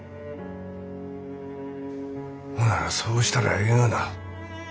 ほならそうしたらええがな。